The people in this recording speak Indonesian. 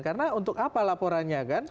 karena untuk apa laporannya kan